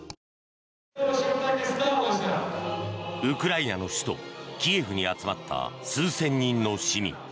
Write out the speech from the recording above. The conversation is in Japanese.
ウクライナの首都キエフに集まった数千人の市民。